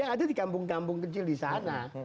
ada di kampung kampung kecil di sana